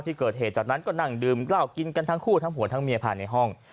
ที่เกิดเหตุจากนั้นก็นั่งดื่มกล้าวกินกันทั้งคู่ทั้งหัวทั้งเมียผ่านในห้อง